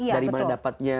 dari mana dapatnya